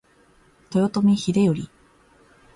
豊臣秀頼